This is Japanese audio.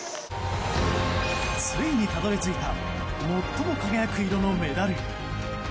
ついに、たどり着いた最も輝く色のメダル。